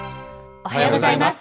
おはようございます。